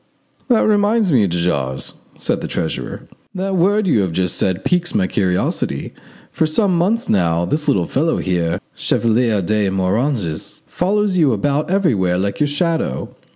"That reminds me, de Jars!" said the treasurer, "that word you have just said piques my curiosity. For some months now this little fellow here, Chevalier de Moranges, follows you about everywhere like your shadow.